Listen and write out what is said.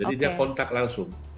jadi dia kontak langsung